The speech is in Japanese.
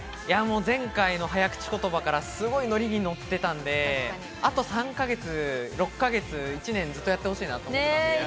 前回の早口言葉から乗りに乗っていたので、あと３か月、６か月、１年、ずっとやってほしいです。